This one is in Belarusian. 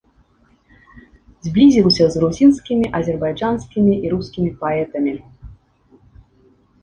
Зблізіўся з грузінскімі, азербайджанскімі і рускімі паэтамі.